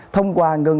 thông qua ngân hàng